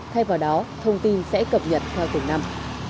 thay vào đó thông tin sẽ cập nhật theo từng năm